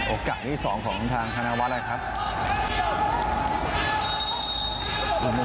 โอกาสที่๒ของทางธนาวัตรนะครับ